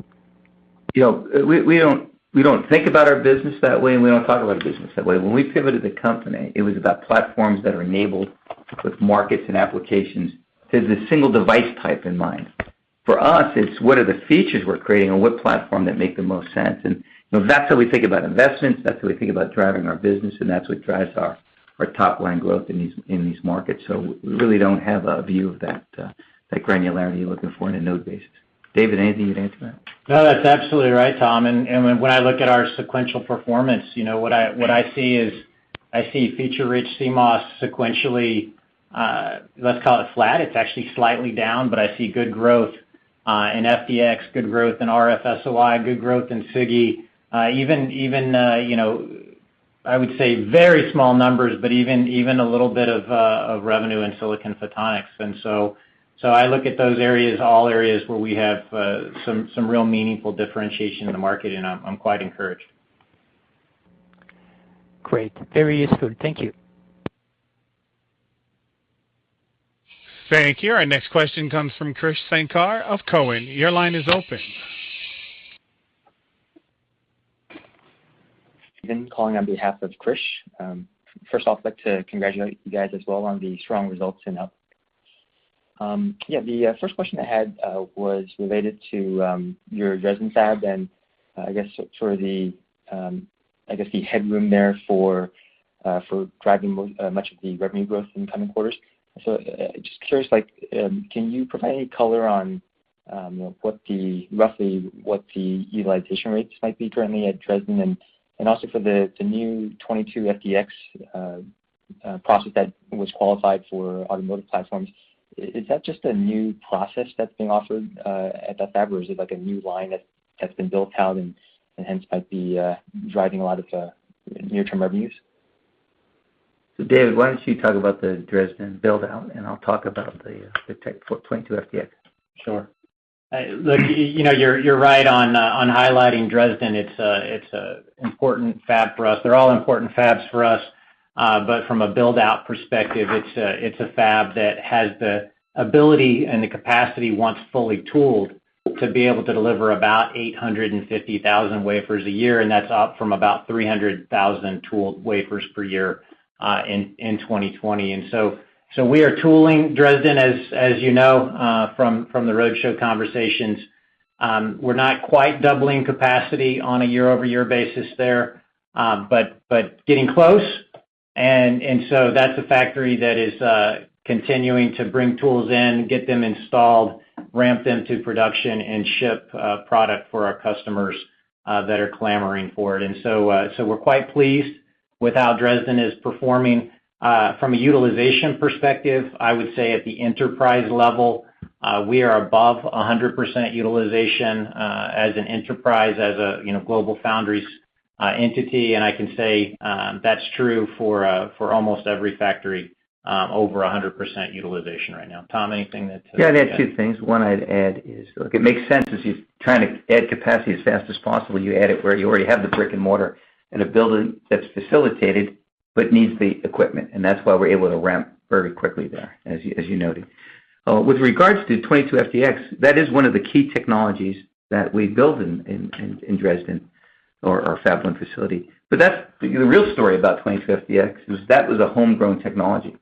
You know, we don't think about our business that way, and we don't talk about our business that way. When we pivoted the company, it was about platforms that are enabled with markets and applications. There's a single device type in mind. For us, it's what are the features we're creating and what platform that make the most sense. And, you know, that's how we think about investments, that's how we think about driving our business, and that's what drives our top line growth in these markets. We really don't have a view of that granularity you're looking for in a node basis. David, anything you'd add to that? No, that's absolutely right, Tom. When I look at our sequential performance, you know, what I see is I see feature-rich CMOS sequentially, let's call it flat. It's actually slightly down, but I see good growth in FDX, good growth in RF SOI, good growth in SiGe. Even, you know, I would say very small numbers, but even a little bit of revenue in silicon photonics. I look at those areas, all areas where we have some real meaningful differentiation in the market, and I'm quite encouraged. Great. Very useful. Thank you. Thank you. Our next question comes from Krish Sankar of Cowen. Your line is open. I'm calling on behalf of Krish. I'd like to congratulate you guys as well on the strong results and up. Yeah, the first question I had was related to your Dresden fab and I guess sort of the, I guess the headroom there for driving much of the revenue growth in coming quarters. Just curious, like, can you provide any color on roughly what the utilization rates might be currently at Dresden? And also for the new 22FDX process that was qualified for automotive platforms, is that just a new process that's being offered at that fab, or is it like a new line that has been built out and hence might be driving a lot of near-term revenues? David, why don't you talk about the Dresden build-out, and I'll talk about the tech 22FDX. Sure. Look, you know, you're right on highlighting Dresden. It's an important fab for us. They're all important fabs for us. But from a build-out perspective, it's a fab that has the ability and the capacity, once fully tooled, to be able to deliver about 850,000 wafers a year, and that's up from about 300,000 tooled wafers per year in 2020. We are tooling Dresden, as you know, from the roadshow conversations. We're not quite doubling capacity on a year-over-year basis there, but getting close. That's a factory that is continuing to bring tools in, get them installed, ramp them to production, and ship product for our customers that are clamoring for it. We're quite pleased with how Dresden is performing. From a utilization perspective, I would say at the enterprise level, we are above 100% utilization, as an enterprise, as a, you know, GlobalFoundries entity. I can say that's true for almost every factory over 100% utilization right now. Tom, anything that- Yeah, I'd add two things. One I'd add is, look, it makes sense as you're trying to add capacity as fast as possible, you add it where you already have the brick-and-mortar and a building that's fabricated but needs the equipment. That's why we're able to ramp very quickly there, as you noted. With regards to 22FDX, that is one of the key technologies that we build in Dresden or our Fab 1 facility. But that's the real story about 22FDX, is that was a homegrown technology,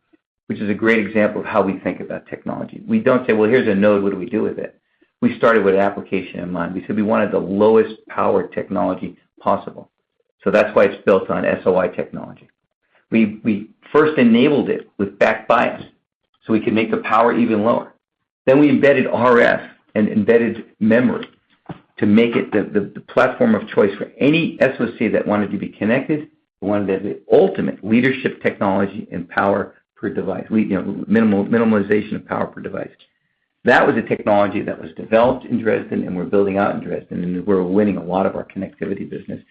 which is a great example of how we think about technology. We don't say, "Well, here's a node. What do we do with it?" We started with application in mind. We said we wanted the lowest power technology possible, so that's why it's built on SOI technology. We first enabled it with back bias, so we could make the power even lower. Then we embedded RF and embedded memory to make it the platform of choice for any SoC that wanted to be connected. We wanted the ultimate leadership technology and power per device, you know, minimization of power per device. That was a technology that was developed in Dresden, and we're building out in Dresden, and we're winning a lot of our connectivity business.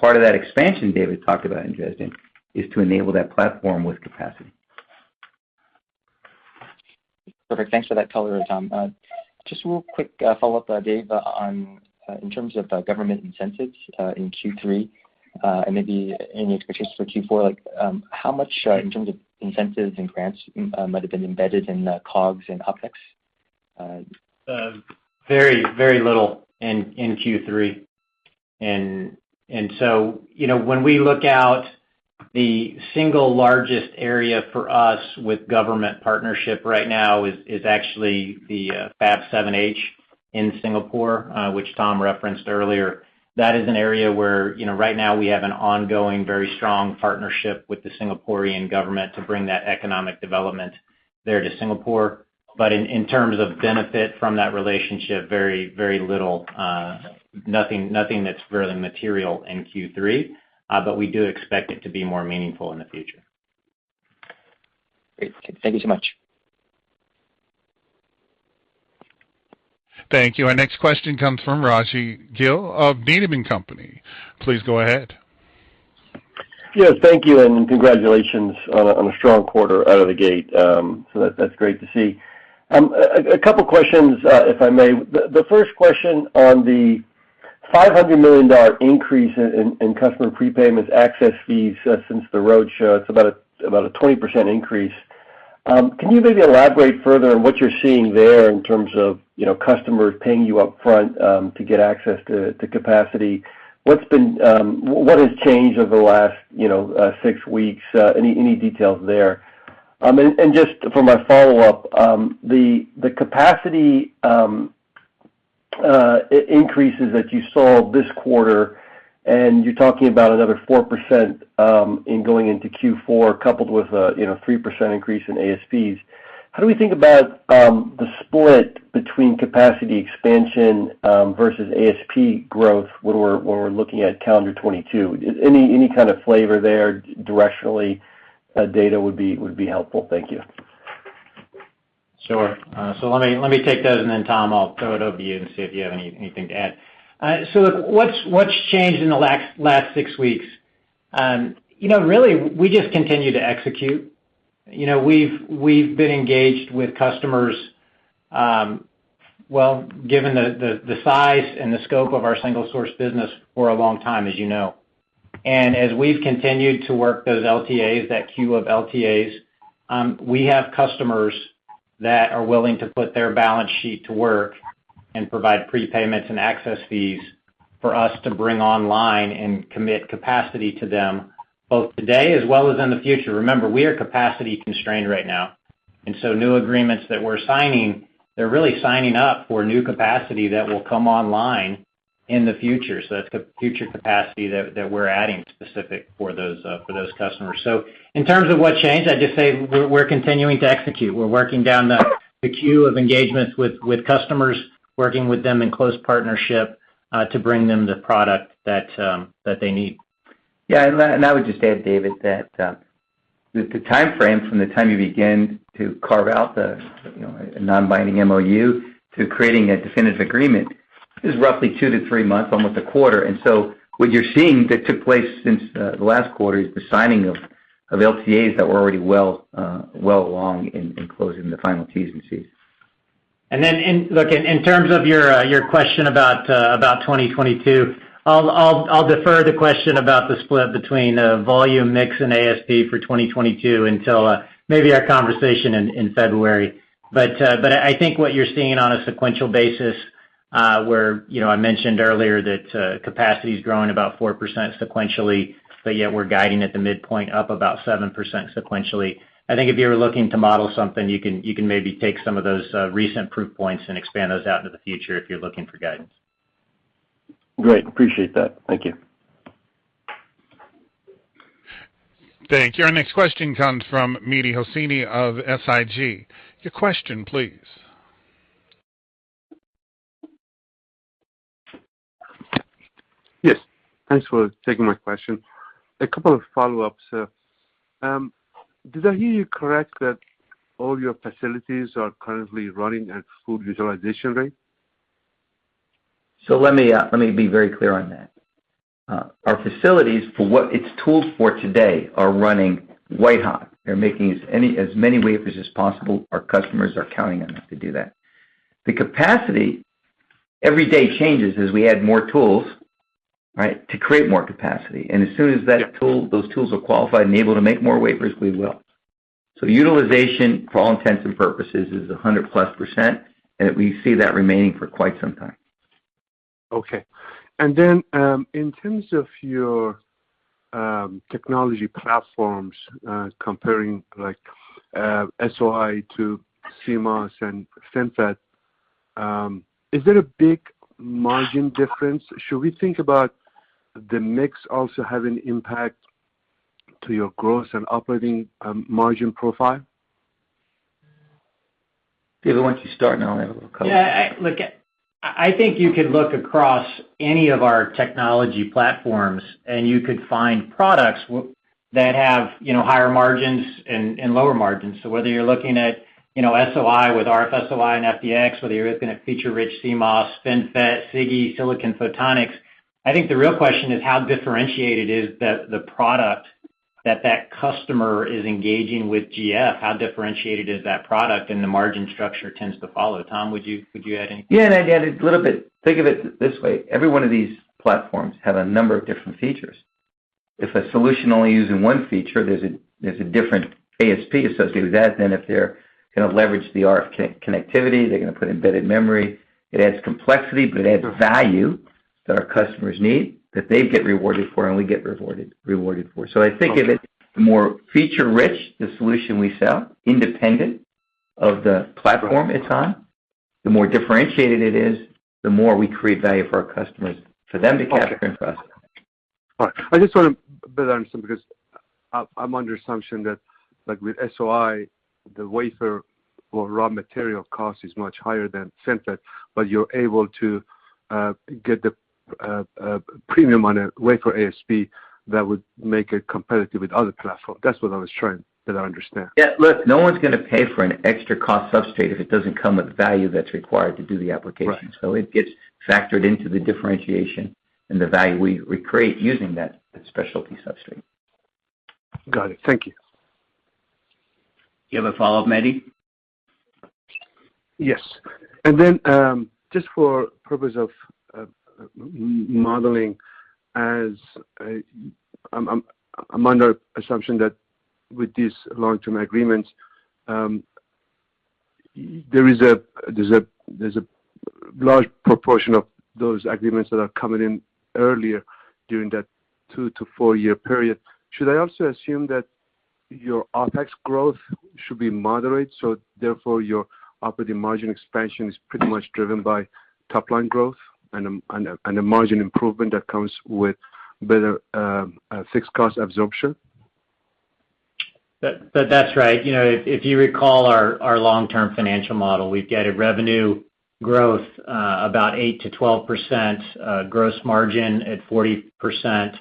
Part of that expansion David has talked about in Dresden is to enable that platform with capacity. Perfect. Thanks for that color, Tom. Just real quick, follow-up Dave on, in terms of, government incentives, in Q3, and maybe any expectations for Q4, like, how much, in terms of incentives and grants, might have been embedded in the COGS and OpEx? Very little in Q3. You know, when we look at the single largest area for us with government partnership right now is actually the Fab 7H in Singapore, which Tom referenced earlier. That is an area where, you know, right now we have an ongoing, very strong partnership with the Singaporean government to bring that economic development there to Singapore. But in terms of benefit from that relationship, very little, nothing that's really material in Q3. But we do expect it to be more meaningful in the future. Great. Thank you so much. Thank you. Our next question comes from Rajvindra Gill of Needham & Company. Please go ahead. Yes, thank you, and congratulations on a strong quarter out of the gate. So that's great to see. A couple questions, if I may. The first question on the $500 million increase in customer prepayments access fees since the roadshow, it's about a 20% increase. Can you maybe elaborate further on what you're seeing there in terms of, you know, customers paying you upfront to get access to capacity? What's been, what has changed over the last, you know, six weeks? Any details there? And just for my follow-up, the capacity increases that you saw this quarter, and you're talking about another 4% in going into Q4, coupled with a, you know, 3% increase in ASPs. How do we think about the split between capacity expansion versus ASP growth when we're looking at calendar 2022? Any kind of flavor there directionally, data would be helpful. Thank you. Sure. Let me take those, and then Tom, I'll throw it over to you and see if you have anything to add. Look, what's changed in the last six weeks? You know, really, we just continue to execute. You know, we've been engaged with customers, well, given the size and the scope of our single source business for a long time, as you know. As we've continued to work those LTAs, that queue of LTAs, we have customers that are willing to put their balance sheet to work and provide prepayments and access fees for us to bring online and commit capacity to them both today as well as in the future. Remember, we are capacity constrained right now, and so new agreements that we're signing, they're really signing up for new capacity that will come online in the future. That's future capacity that we're adding specific for those customers. In terms of what changed, I'd just say we're continuing to execute. We're working down the queue of engagements with customers, working with them in close partnership to bring them the product that they need. Yeah. I would just add, David, that the timeframe from the time you begin to carve out, you know, a non-binding MOU to creating a definitive agreement is roughly 2-3 months, almost a quarter. What you're seeing that took place since the last quarter is the signing of LTAs that were already well along in closing the final T's and C's. Look, in terms of your question about 2022, I'll defer the question about the split between volume mix and ASP for 2022 until maybe our conversation in February. I think what you're seeing on a sequential basis, where you know, I mentioned earlier that capacity is growing about 4% sequentially, but yet we're guiding at the midpoint up about 7% sequentially. I think if you were looking to model something, you can maybe take some of those recent proof points and expand those out into the future if you're looking for guidance. Great. Appreciate that. Thank you. Thank you. Our next question comes from Mehdi Hosseini of SIG. Your question, please. Yes. Thanks for taking my question. A couple of follow-ups, sir. Did I hear you correct that all your facilities are currently running at full utilization rate? Let me be very clear on that. Our facilities, for what it's tooled for today, are running white-hot. They're making as many wafers as possible. Our customers are counting on us to do that. The capacity every day changes as we add more tools, right, to create more capacity. As soon as those tools are qualified and able to make more wafers, we will. Utilization, for all intents and purposes, is 100%+, and we see that remaining for quite some time. Okay. In terms of your technology platforms, comparing like, SOI to CMOS and FinFET, is there a big margin difference? Should we think about the mix also having impact to your growth and operating margin profile? David, why don't you start, and I'll add a little color. I think you could look across any of our technology platforms, and you could find products that have, you know, higher margins and lower margins. Whether you're looking at, you know, SOI with RF SOI and FDX, whether you're looking at feature-rich CMOS, FinFET, SiGe, silicon photonics, I think the real question is how differentiated is the product that customer is engaging with GF? How differentiated is that product? The margin structure tends to follow. Tom, would you add anything? Yeah, I'd add a little bit. Think of it this way. Every one of these platforms have a number of different features. If a solution only using one feature, there's a different ASP associated with that than if they're gonna leverage the RF connectivity. They're gonna put embedded memory. It adds complexity, but it adds value that our customers need that they get rewarded for and we get rewarded for. I think of it the more feature-rich the solution we sell independent of the platform it's on, the more differentiated it is, the more we create value for our customers for them to capture and process. All right. I just wanna better understand because I'm under assumption that like with SOI, the wafer or raw material cost is much higher than FinFET, but you're able to get the premium on a wafer ASP that would make it competitive with other platform. That's what I was trying to understand. Yeah. Look, no one's gonna pay for an extra cost substrate if it doesn't come with the value that's required to do the application. Right. It gets factored into the differentiation and the value we create using that specialty substrate. Got it. Thank you. You have a follow-up, Mehdi? Yes. Just for purpose of modeling as I'm under assumption that with these long-term agreements, there's a large proportion of those agreements that are coming in earlier during that 2-4-year period. Should I also assume that your OpEx growth should be moderate, so therefore your operating margin expansion is pretty much driven by top line growth and a margin improvement that comes with better fixed cost absorption? That's right. You know, if you recall our long-term financial model, we've got a revenue growth about 8%-12%, gross margin at 40%,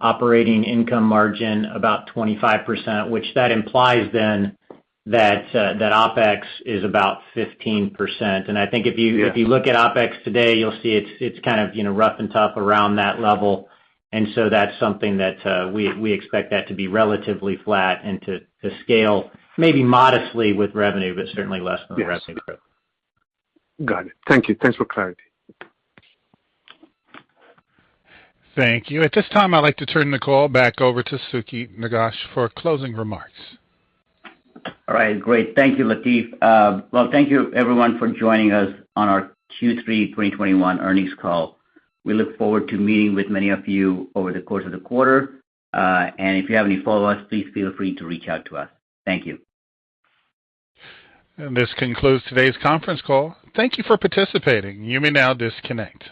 operating income margin about 25%, which implies that OpEx is about 15%. I think if you- Yeah. If you look at OpEx today, you'll see it's kind of, you know, rough and tough around that level. That's something that we expect that to be relatively flat and to scale maybe modestly with revenue, but certainly less than the revenue growth. Yes. Got it. Thank you. Thanks for clarity. Thank you. At this time, I'd like to turn the call back over to Sukhi Nagesh for closing remarks. All right. Great. Thank you, Latif. Well, thank you everyone for joining us on our Q3 2021 earnings call. We look forward to meeting with many of you over the course of the quarter. If you have any follow-ups, please feel free to reach out to us. Thank you. This concludes today's conference call. Thank you for participating. You may now disconnect.